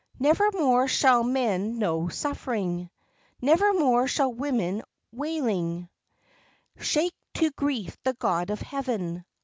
Nevermore shall men know suffering, Nevermore shall women wailing Shake to grief the God of Heaven.